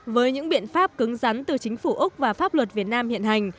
với những biện pháp cứng rắn từ chính phủ úc và pháp luật việt nam hiện hành